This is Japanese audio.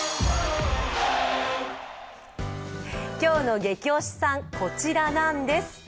今日のゲキ推しさん、こちらなんです。